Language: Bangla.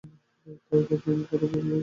তাই ভাবলাম তোমাকে বায় বলি।